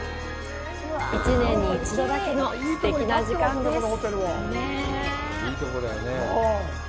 １年に１度だけのすてきな時間です。